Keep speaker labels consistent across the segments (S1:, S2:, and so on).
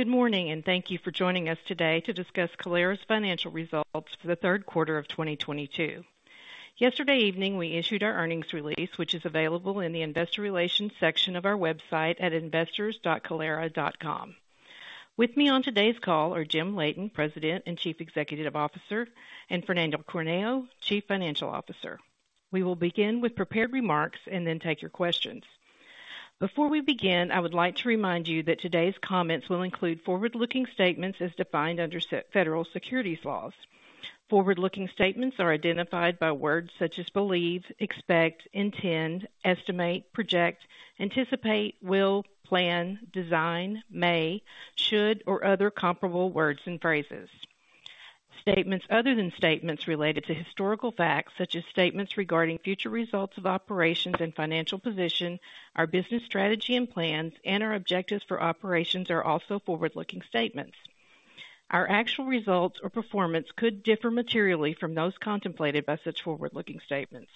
S1: Good morning, and thank you for joining us today to discuss Kalera's financial results for the third quarter of 2022. Yesterday evening, we issued our earnings release, which is available in the investor relations section of our website at investors.kalera.com. With me on today's call are James Leighton, President and Chief Executive Officer, and Fernando Cornejo, Chief Financial Officer. We will begin with prepared remarks and then take your questions. Before we begin, I would like to remind you that today's comments will include forward-looking statements as defined under SEC federal securities laws. Forward-looking statements are identified by words such as believe, expect, intend, estimate, project, anticipate, will, plan, design, may, should, or other comparable words and phrases. Statements other than statements related to historical facts, such as statements regarding future results of operations and financial position, our business strategy and plans, and our objectives for operations are also forward-looking statements. Our actual results or performance could differ materially from those contemplated by such forward-looking statements.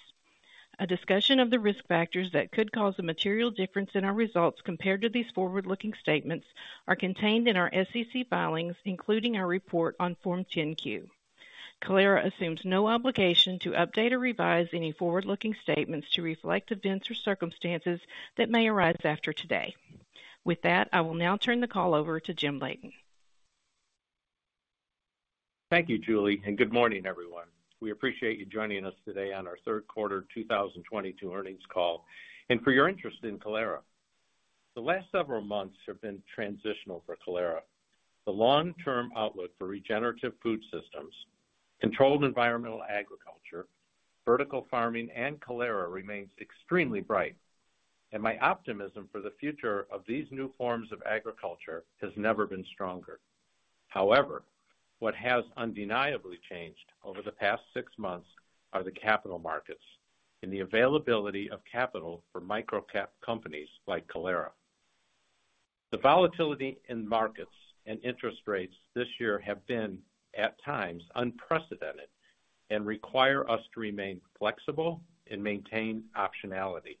S1: A discussion of the risk factors that could cause a material difference in our results compared to these forward-looking statements are contained in our SEC filings, including our report on Form 10-Q. Kalera assumes no obligation to update or revise any forward-looking statements to reflect events or circumstances that may arise after today. With that, I will now turn the call over to James Leighton.
S2: Thank you, Julie, and good morning, everyone. We appreciate you joining us today on our third quarter 2022 earnings call and for your interest in Kalera. The last several months have been transitional for Kalera. The long-term outlook for regenerative food systems, controlled environment agriculture, vertical farming, and Kalera remains extremely bright, and my optimism for the future of these new forms of agriculture has never been stronger. However, what has undeniably changed over the past six months are the capital markets and the availability of capital for microcap companies like Kalera. The volatility in markets and interest rates this year have been, at times, unprecedented and require us to remain flexible and maintain optionality.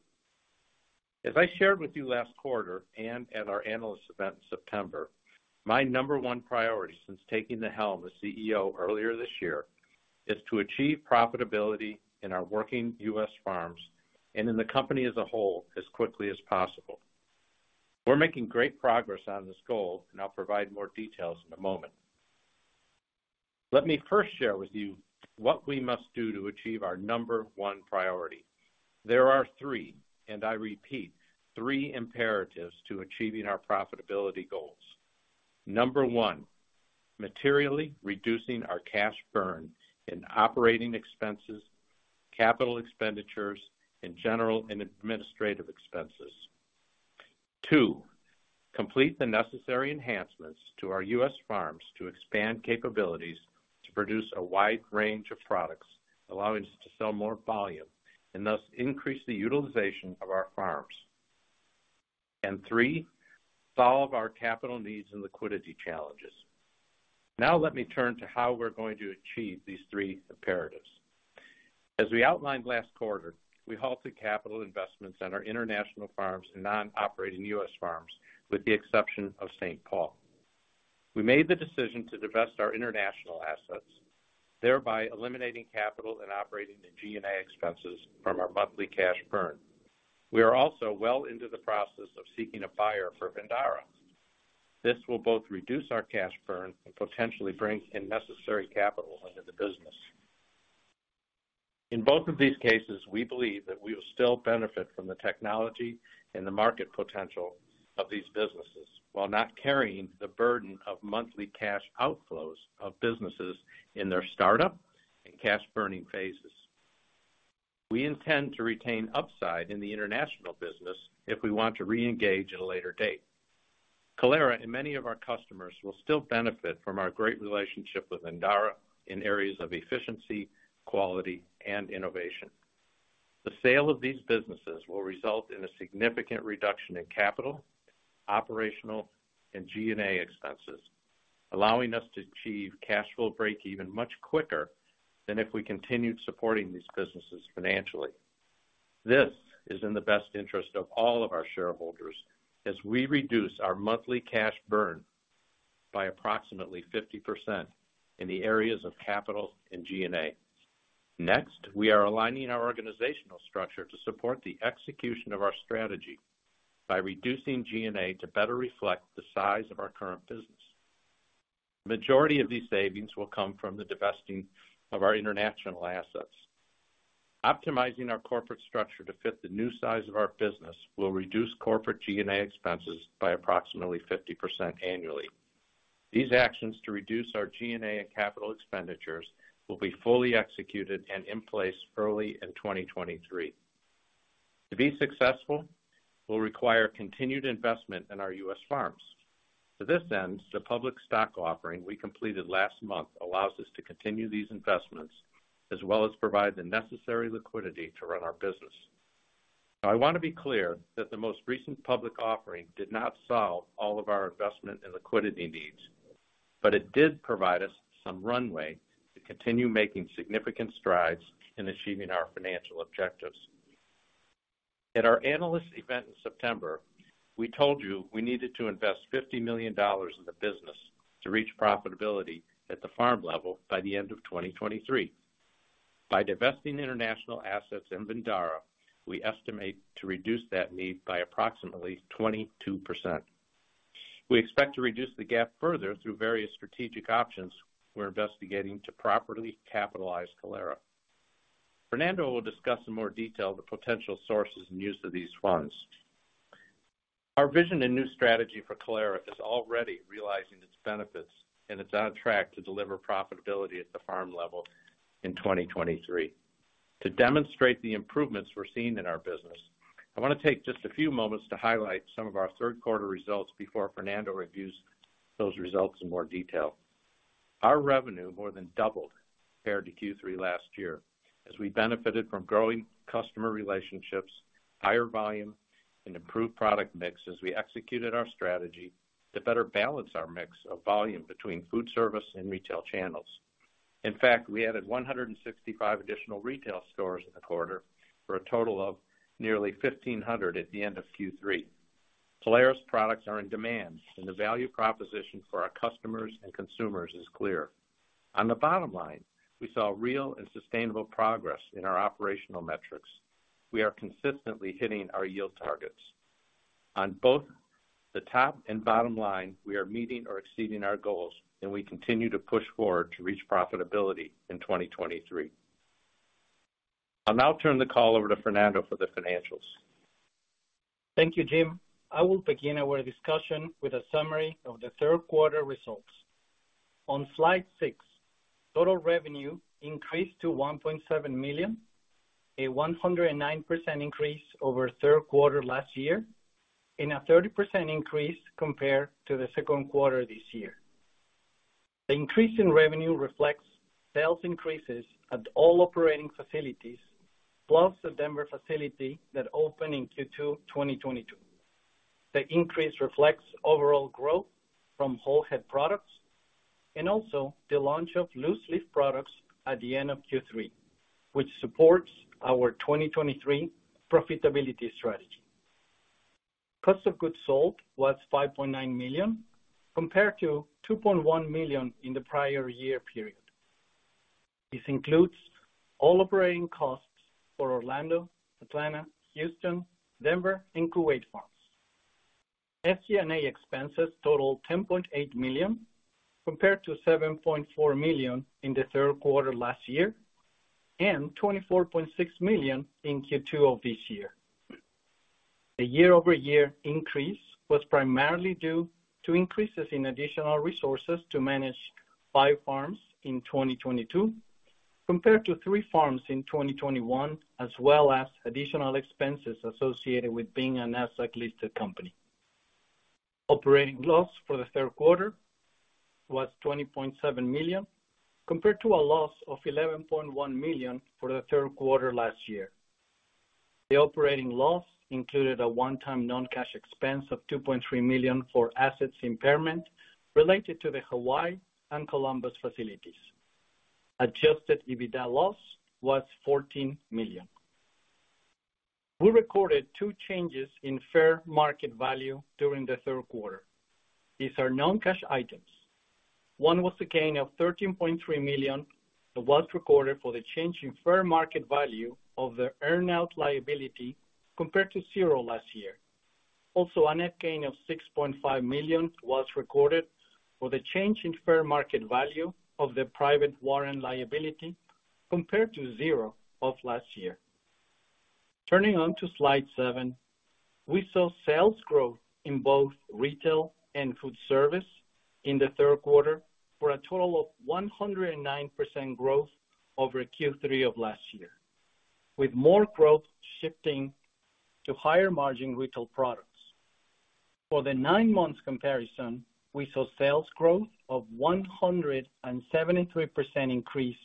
S2: As I shared with you last quarter and at our analyst event in September, my number one priority since taking the helm as CEO earlier this year is to achieve profitability in our working U.S. farms and in the company as a whole as quickly as possible. We're making great progress on this goal, and I'll provide more details in a moment. Let me first share with you what we must do to achieve our number one priority. There are three, and I repeat, three imperatives to achieving our profitability goals. Number one, materially reducing our cash burn in operating expenses, capital expenditures, and general and administrative expenses. Two, complete the necessary enhancements to our U.S. farms to expand capabilities to produce a wide range of products, allowing us to sell more volume and thus increase the utilization of our farms. Three, solve our capital needs and liquidity challenges. Now let me turn to how we're going to achieve these three imperatives. As we outlined last quarter, we halted capital investments in our international farms and non-operating U.S. farms, with the exception of St. Paul. We made the decision to divest our international assets, thereby eliminating capital and operating and G&A expenses from our monthly cash burn. We are also well into the process of seeking a buyer for Vindara. This will both reduce our cash burn and potentially bring in necessary capital into the business. In both of these cases, we believe that we will still benefit from the technology and the market potential of these businesses while not carrying the burden of monthly cash outflows of businesses in their startup and cash burning phases. We intend to retain upside in the international business if we want to reengage at a later date. Kalera and many of our customers will still benefit from our great relationship with Vindara in areas of efficiency, quality, and innovation. The sale of these businesses will result in a significant reduction in capital, operational, and G&A expenses, allowing us to achieve cash flow break-even much quicker than if we continued supporting these businesses financially. This is in the best interest of all of our shareholders as we reduce our monthly cash burn by approximately 50% in the areas of capital and G&A. Next, we are aligning our organizational structure to support the execution of our strategy by reducing G&A to better reflect the size of our current business. Majority of these savings will come from the divesting of our international assets. Optimizing our corporate structure to fit the new size of our business will reduce corporate G&A expenses by approximately 50% annually. These actions to reduce our G&A and capital expenditures will be fully executed and in place early in 2023. To be successful, we'll require continued investment in our U.S. farms. To this end, the public stock offering we completed last month allows us to continue these investments, as well as provide the necessary liquidity to run our business. Now I want to be clear that the most recent public offering did not solve all of our investment and liquidity needs, but it did provide us some runway to continue making significant strides in achieving our financial objectives. At our analyst event in September, we told you we needed to invest $50 million in the business to reach profitability at the farm level by the end of 2023. By divesting international assets in Vindara, we estimate to reduce that need by approximately 22%. We expect to reduce the gap further through various strategic options we're investigating to properly capitalize Kalera. Fernando will discuss in more detail the potential sources and use of these funds. Our vision and new strategy for Kalera is already realizing its benefits, and it's on track to deliver profitability at the farm level in 2023. To demonstrate the improvements we're seeing in our business, I wanna take just a few moments to highlight some of our third quarter results before Fernando reviews those results in more detail. Our revenue more than doubled compared to Q3 last year as we benefited from growing customer relationships, higher volume, and improved product mix as we executed our strategy to better balance our mix of volume between food service and retail channels. In fact, we added 165 additional retail stores in the quarter for a total of nearly 1,500 at the end of Q3. Kalera's products are in demand, and the value proposition for our customers and consumers is clear. On the bottom line, we saw real and sustainable progress in our operational metrics. We are consistently hitting our yield targets. On both the top and bottom line, we are meeting or exceeding our goals, and we continue to push forward to reach profitability in 2023. I'll now turn the call over to Fernando for the financials.
S3: Thank you, Jim. I will begin our discussion with a summary of the third quarter results. On slide 6, total revenue increased to $1.7 million, a 109% increase over third quarter last year, and a 30% increase compared to the second quarter this year. The increase in revenue reflects sales increases at all operating facilities, plus the Denver facility that opened in Q2 2022. The increase reflects overall growth from whole head products and also the launch of loose-leaf products at the end of Q3, which supports our 2023 profitability strategy. Cost of goods sold was $5.9 million, compared to $2.1 million in the prior year period. This includes all operating costs for Orlando, Atlanta, Houston, Denver, and Kuwait farms. SG&A expenses totaled $10.8 million, compared to $7.4 million in the third quarter last year, and $24.6 million in Q2 of this year. The year-over-year increase was primarily due to increases in additional resources to manage five farms in 2022 compared to three farms in 2021 as well as additional expenses associated with being a Nasdaq-listed company. Operating loss for the third quarter was $20.7 million, compared to a loss of $11.1 million for the third quarter last year. The operating loss included a one-time non-cash expense of $2.3 million for asset impairment related to the Hawaii and Columbus facilities. Adjusted EBITDA loss was $14 million. We recorded two changes in fair market value during the third quarter. These are non-cash items. One was the gain of $13.3 million that was recorded for the change in fair market value of the earn out liability compared to 0 last year. Also, a net gain of $6.5 million was recorded for the change in fair market value of the private warrant liability compared to 0 of last year. Turning to slide seven. We saw sales growth in both retail and food service in the third quarter, for a total of 109% growth over Q3 of last year, with more growth shifting to higher margin retail products. For the nine months comparison, we saw sales growth of 173% increase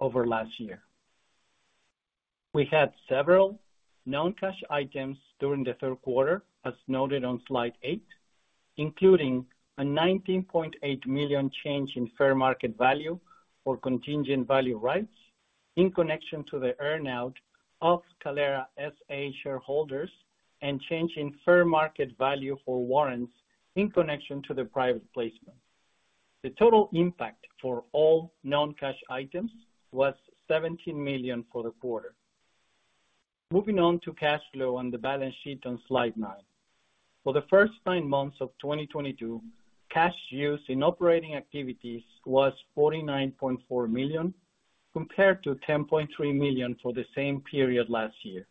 S3: over last year. We had several non-cash items during the third quarter, as noted on slide eight, including a $19.8 million change in fair market value for contingent value rights in connection to the earn out of Kalera S.A. shareholders and change in fair market value for warrants in connection to the private placement. The total impact for all non-cash items was $17 million for the quarter. Moving on to cash flow and the balance sheet on slide nine. For the first nine months of 2022, cash use in operating activities was $49.4 million, compared to $10.3 million for the same period last year.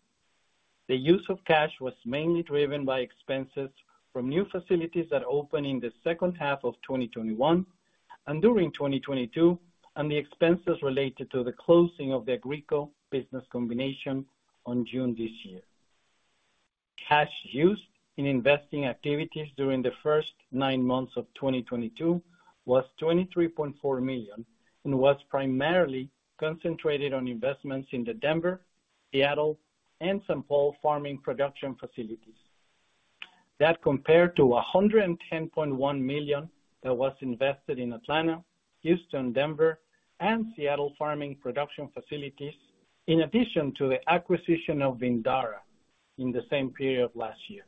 S3: The use of cash was mainly driven by expenses from new facilities that opened in the second half of 2021 and during 2022, and the expenses related to the closing of the Agrico business combination on June this year. Cash used in investing activities during the first nine months of 2022 was $23.4 million and was primarily concentrated on investments in the Denver, Seattle, and St. Paul farming production facilities. That compared to $110.1 million that was invested in Atlanta, Houston, Denver and Seattle farming production facilities, in addition to the acquisition of Vindara in the same period last year.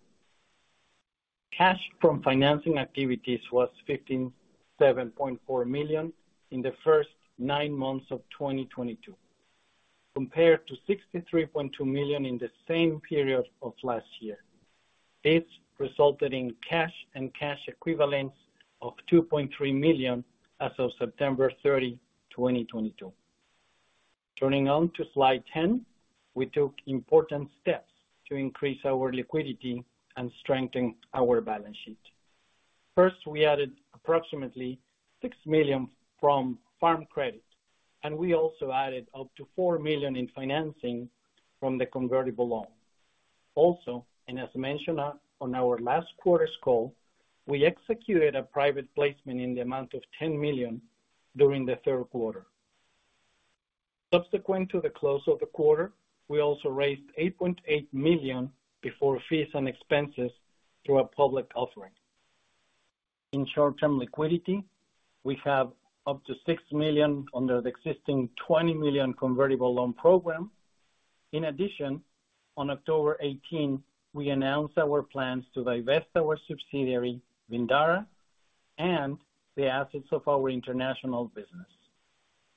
S3: Cash from financing activities was $57.4 million in the first nine months of 2022, compared to $63.2 million in the same period of last year. This resulted in cash and cash equivalents of $2.3 million as of September 30, 2022. Turning on to slide 10. We took important steps to increase our liquidity and strengthen our balance sheet. First, we added approximately $6 million from Farm Credit, and we also added up to $4 million in financing from the convertible loan. Also, and as mentioned on our last quarter's call, we executed a private placement in the amount of $10 million during the third quarter. Subsequent to the close of the quarter, we also raised $8.8 million before fees and expenses through a public offering. In short-term liquidity, we have up to $6 million under the existing $20 million convertible loan program. In addition, on October 18, we announced our plans to divest our subsidiary, Vindara, and the assets of our international business.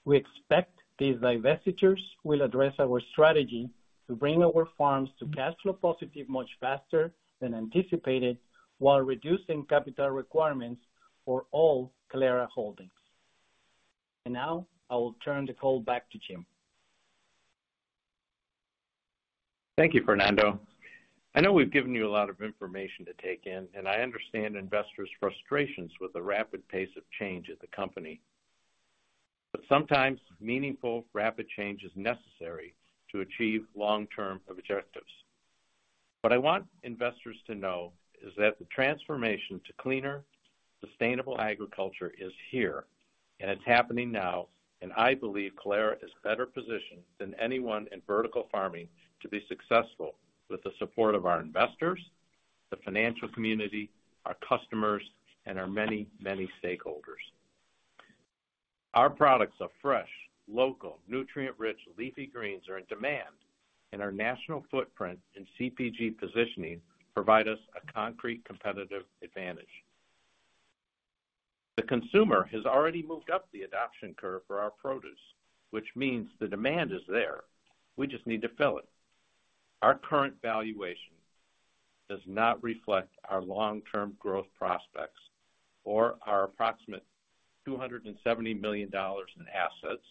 S3: We expect these divestitures will address our strategy to bring our farms to cash flow positive much faster than anticipated, while reducing capital requirements for all Kalera holdings. Now I will turn the call back to Jim.
S2: Thank you, Fernando. I know we've given you a lot of information to take in, and I understand investors' frustrations with the rapid pace of change at the company. Sometimes meaningful, rapid change is necessary to achieve long-term objectives. What I want investors to know is that the transformation to cleaner, sustainable agriculture is here, and it's happening now, and I believe Kalera is better positioned than anyone in vertical farming to be successful with the support of our investors, the financial community, our customers, and our many, many stakeholders. Our products are fresh, local, nutrient-rich leafy greens are in demand, and our national footprint in CPG positioning provide us a concrete competitive advantage. The consumer has already moved up the adoption curve for our produce, which means the demand is there. We just need to fill it. Our current valuation does not reflect our long-term growth prospects or our approximate $270 million in assets,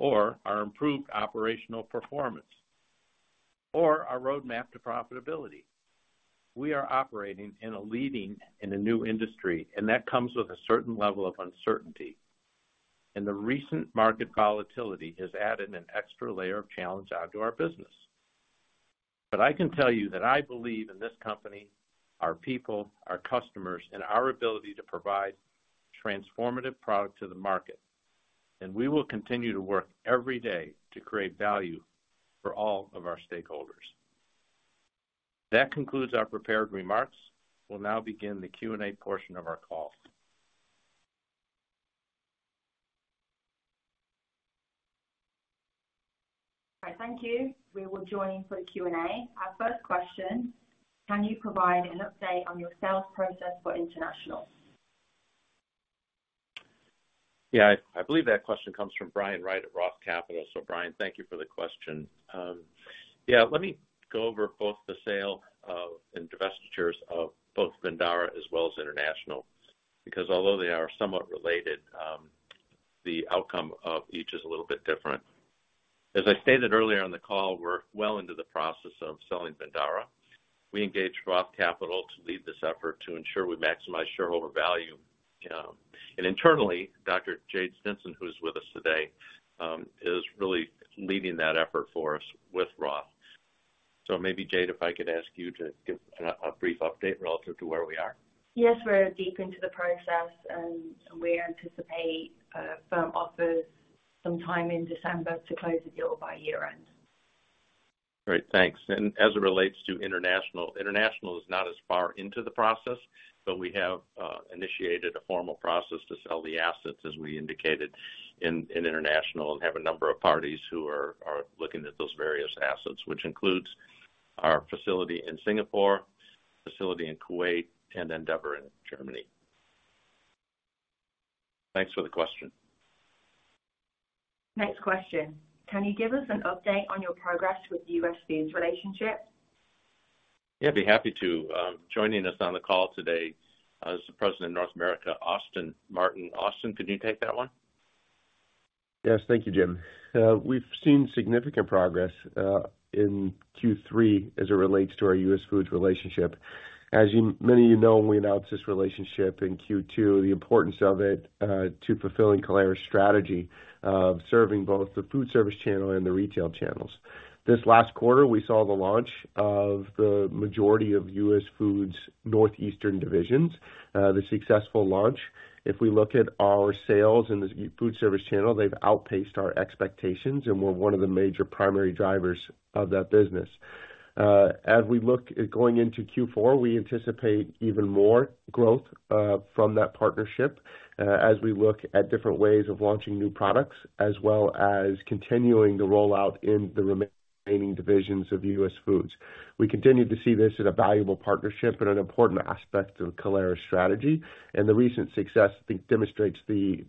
S2: or our improved operational performance, or our roadmap to profitability. We are operating and are leading in a new industry, and that comes with a certain level of uncertainty. The recent market volatility has added an extra layer of challenge onto our business. I can tell you that I believe in this company, our people, our customers, and our ability to provide transformative product to the market, and we will continue to work every day to create value for all of our stakeholders. That concludes our prepared remarks. We'll now begin the Q&A portion of our call.
S4: All right, thank you. We will join for the Q&A. Our first question, can you provide an update on your sales process for international?
S2: Yeah, I believe that question comes from Brian Wright at Roth Capital. Brian, thank you for the question. Yeah, let me go over both the sale of, and divestitures of both Vindara as well as international, because although they are somewhat related, the outcome of each is a little bit different. As I stated earlier on the call, we're well into the process of selling Vindara. We engaged Roth Capital to lead this effort to ensure we maximize shareholder value. Internally, Dr. Jade Stinson, who is with us today, is really leading that effort for us with Roth. Maybe Jade, if I could ask you to give a brief update relative to where we are.
S5: Yes, we're deep into the process and we anticipate a firm offer sometime in December to close the deal by year-end.
S2: Great, thanks. As it relates to international is not as far into the process, but we have initiated a formal process to sell the assets as we indicated in international, and have a number of parties who are looking at those various assets, which includes our facility in Singapore, facility in Kuwait, and then &ever GmbH in Germany. Thanks for the question.
S4: Next question. Can you give us an update on your progress with US Foods relationship?
S2: Yeah, I'd be happy to. Joining us on the call today is the President of North America, Austin Martin. Austin, could you take that one?
S6: Yes, thank you, Jim. We've seen significant progress in Q3 as it relates to our US Foods relationship. As many of you know, when we announced this relationship in Q2, the importance of it to fulfilling Kalera's strategy of serving both the food service channel and the retail channels. This last quarter, we saw the launch of the majority of US Foods northeastern divisions, the successful launch. If we look at our sales in the food service channel, they've outpaced our expectations, and we're one of the major primary drivers of that business. As we look at going into Q4, we anticipate even more growth from that partnership, as we look at different ways of launching new products, as well as continuing the rollout in the remaining divisions of US Foods. We continue to see this as a valuable partnership and an important aspect of Kalera's strategy, and the recent success, I think, demonstrates the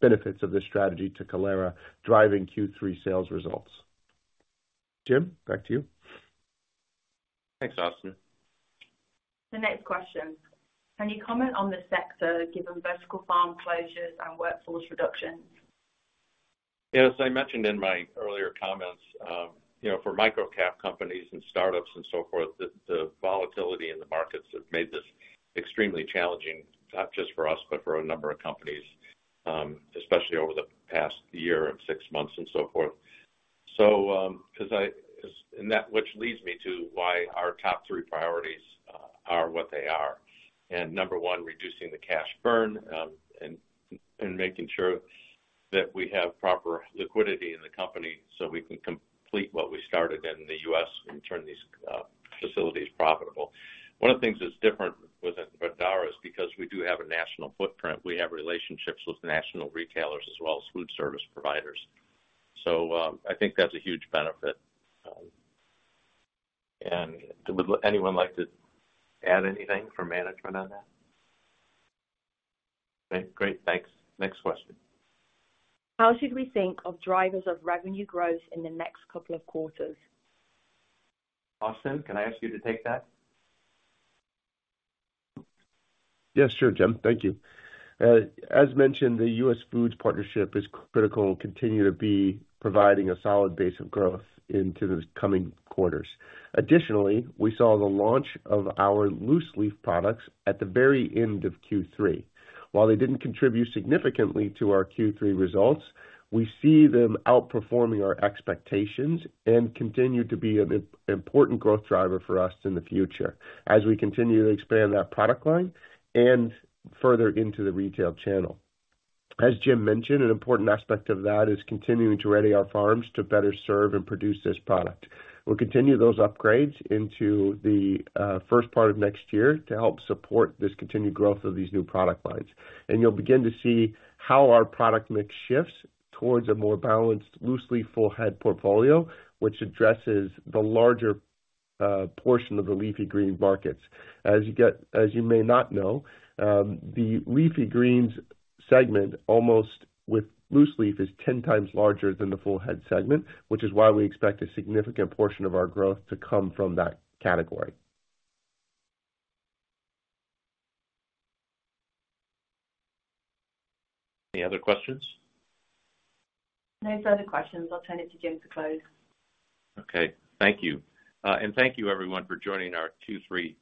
S6: benefits of this strategy to Kalera driving Q3 sales results. Jim, back to you.
S2: Thanks, Austin.
S4: The next question. Can you comment on the sector given vertical farm closures and workforce reductions?
S2: Yes. I mentioned in my earlier comments, you know, for micro-cap companies and startups and so forth, the volatility in the markets have made this extremely challenging, not just for us, but for a number of companies, especially over the past year and six months and so forth. That which leads me to why our top three priorities are what they are. Number one, reducing the cash burn, and making sure that we have proper liquidity in the company so we can complete what we started in the U.S. and turn these facilities profitable. One of the things that's different with Vindara is because we do have a national footprint, we have relationships with national retailers as well as food service providers. I think that's a huge benefit. Would anyone like to add anything from management on that? Okay, great. Thanks. Next question.
S4: How should we think of drivers of revenue growth in the next couple of quarters?
S2: Austin, can I ask you to take that?
S6: Yes, sure, Jim. Thank you. As mentioned, the US Foods partnership is critical and continue to be providing a solid base of growth into the coming quarters. Additionally, we saw the launch of our loose-leaf products at the very end of Q3. While they didn't contribute significantly to our Q3 results, we see them outperforming our expectations and continue to be an important growth driver for us in the future as we continue to expand that product line and further into the retail channel. As Jim mentioned, an important aspect of that is continuing to ready our farms to better serve and produce this product. We'll continue those upgrades into the first part of next year to help support this continued growth of these new product lines. You'll begin to see how our product mix shifts towards a more balanced loose-leaf whole head portfolio, which addresses the larger portion of the leafy green markets. As you may not know, the leafy greens segment, almost with loose-leaf, is 10 times larger than the whole head segment, which is why we expect a significant portion of our growth to come from that category.
S2: Any other questions?
S4: No further questions. I'll turn it to Jim to close.
S2: Okay. Thank you. Thank you everyone for joining our Q3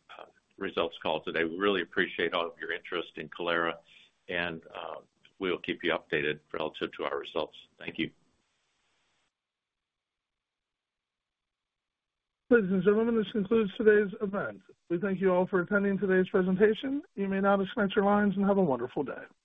S2: results call today. We really appreciate all of your interest in Kalera and we will keep you updated relative to our results. Thank you. Ladies and gentlemen, this concludes today's event. We thank you all for attending today's presentation. You may now disconnect your lines and have a wonderful day.